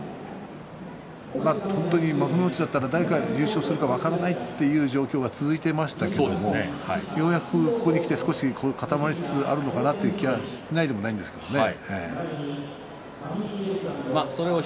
幕内、誰が優勝するか分からないという状況が続いてきしたがようやくここにきて固まりつつあるのかなという気がしないでもないですね。